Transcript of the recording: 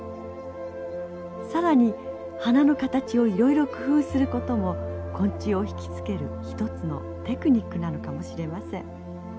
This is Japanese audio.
更に花の形をいろいろ工夫することも昆虫を引きつける一つのテクニックなのかもしれません。